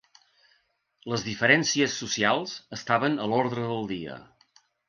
Les diferències socials estaven a l'ordre del dia.